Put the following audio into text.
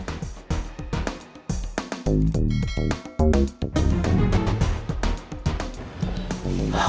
terima kasih pak